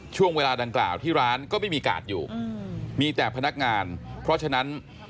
ช่วงเวลาดังกล่าวที่ร้านก็ไม่มีกาดอยู่มีแต่พนักงานเพราะฉะนั้น